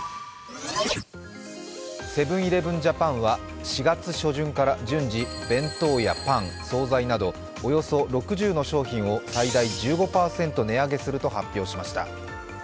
セブン−イレブン・ジャパンは４月初旬から順次、弁当やパン、総菜など、およそ６０の商品を最大１５％値上げすると発表しました